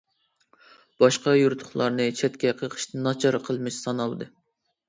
باشقا يۇرتلۇقلارنى چەتكە قېقىش ناچار قىلمىش سانالدى.